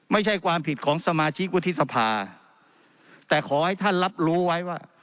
ไม่ใช่ความผิดของสมาชิกวุฒิสภาแต่ขอให้ท่านรับรู้ไว้ว่า